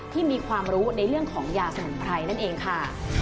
ที่มีความรู้ในเรื่องของยาสมุนไพรนั่นเองค่ะ